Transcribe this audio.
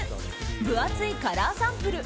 分厚いカラーサンプル。